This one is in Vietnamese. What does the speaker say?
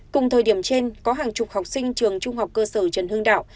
cùng thời điểm trên có hàng chục học sinh trường trung học cơ sở trần hương đạo